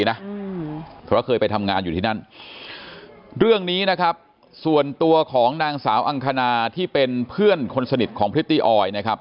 เพราะเคยไปทำงานอยู่ที่นั่นเรื่องนี้นะครับส่วนตัวของนางสาวอังคณาที่เป็นเพื่อนคนสนิทของพริตตี้ออยนะครับ